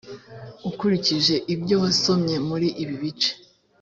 ukurikije ibyo wasomye muri ibi bice